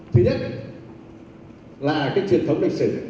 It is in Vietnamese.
thứ nhất là cái truyền thống lịch sử